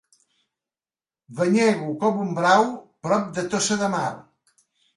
Banyego com un brau prop de Tossa de Mar.